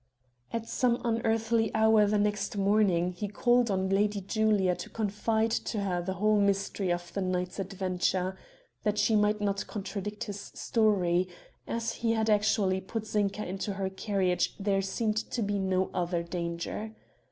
At some unearthly hour next morning he called on Lady Julia to confide to her the mystery of the night's adventure, that she might not contradict his story; as he had actually put Zinka into her carriage there seemed to be no other danger.